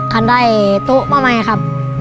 คันได้โต๊ะมาใหม่ครับ